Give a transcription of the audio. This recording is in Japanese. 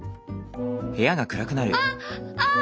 あっああ